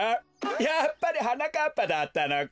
やっぱりはなかっぱだったのか。